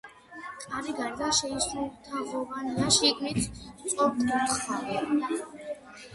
კარი გარედან შეისრულთაღოვანია, შიგნით სწორკუთხა.